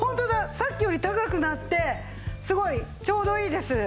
さっきより高くなってすごいちょうどいいです。